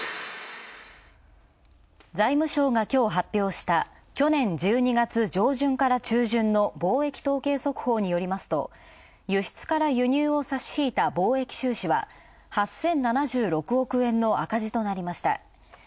財務省がきょう発表した去年１２月上旬から中旬の貿易統計速報によりますと、輸出から輸入を差し引いた貿易収支は８０７６億円の赤字となりました。